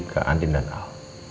ke andin dan al